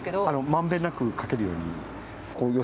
まんべんなくかけるように。